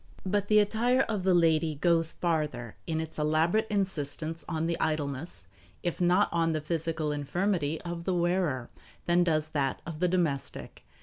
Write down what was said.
But the attire of the lady goes farther in its elaborate insistence on the idleness, if not on the physical infirmity of the wearer, than does that of the domestic.